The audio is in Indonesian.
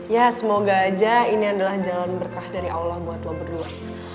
ya semoga aja ini adalah jalan berkah dari allah buatlah berdua